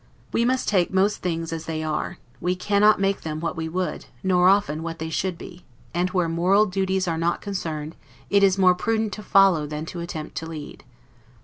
We must take most things as they are, we cannot make them what we would, nor often what they should be; and where moral duties are not concerned, it is more prudent to follow than to attempt to lead.